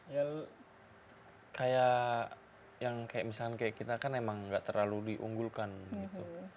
ya kayak yang kayak misalnya kayak kita kan emang gak terlalu diunggulkan gitu